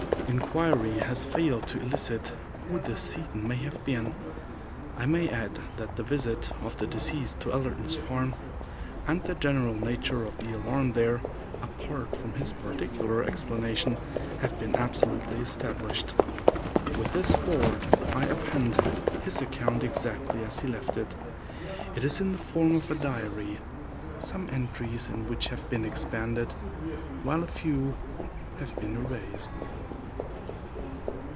Inquiry has failed to elicit who this Seaton may have been. I may add that the visit of the deceased to Allerton's Farm, and the general nature of the alarm there, apart from his particular explanation, have been absolutely established. With this foreword I append his account exactly as he left it. It is in the form of a diary, some entries in which have been expanded, while a few have been erased.